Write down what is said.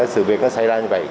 sự việc nó xảy ra như vậy